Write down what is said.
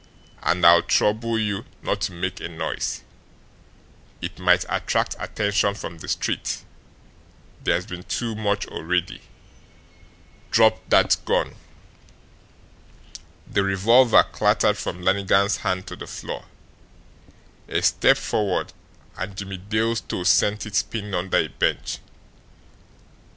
"And I'll trouble you not to make a noise; it might attract attention from the street; there's been too much already. DROP THAT GUN!" The revolver clattered from Lannigan's hand to the floor. A step forward, and Jimmie Dale's toe sent it spinning under a bench.